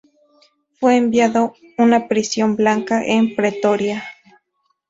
Fue enviado una prisión blanca en Pretoria.